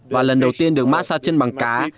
và lần đầu tiên được massage chân bằng cá